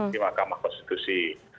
di makamah konstitusi